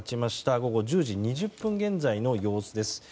午後１０時２０分現在の様子です。